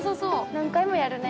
何回もやるね。